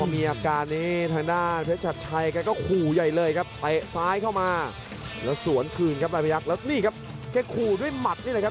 มันจะทำให้คลากรากลวง